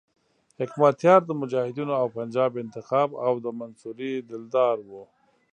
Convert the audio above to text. حکمتیار د مجاهدینو او پنجاب انتخاب او د منصوري دلدار وو.